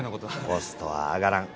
ポストは上がらん。